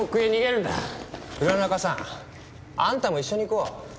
浦中さんあんたも一緒に行こう。